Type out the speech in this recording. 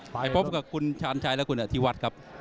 ไปพบกับคุณชาญชัยและคุณอธิวัฒน์ครับ